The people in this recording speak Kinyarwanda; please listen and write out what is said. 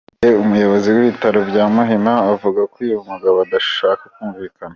Ndizeye Umuyobozi w’ibitaro bya Muhima avuga ko uyu mugabo adashaka kumvikana.